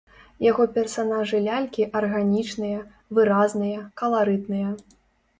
Яго персанажы-лялькі арганічныя, выразныя, каларытныя.